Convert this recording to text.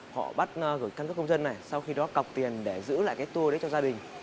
họ bắt gửi căn cước công dân này sau khi đó cọc tiền để giữ lại cái tour đấy cho gia đình